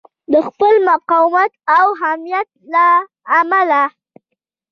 د خپل مقاومت او همت له امله.